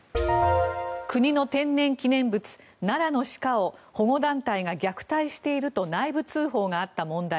国の天然記念物、奈良の鹿を保護団体が虐待していると内部通報があった問題。